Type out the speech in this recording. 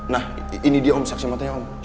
nah ini dia om saksi matanya om